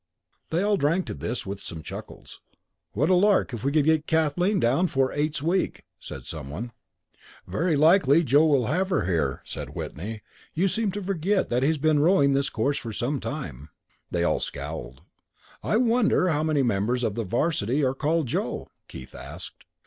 They all drank to this, with some chuckles. "What a lark if we could get Kathleen down for Eights Week!" said someone. "Very likely Joe will have her here," said Whitney. "You seem to forget that he's been rowing this course for some time." They all scowled. "I wonder how many members of the 'varsity are called Joe?" Keith asked.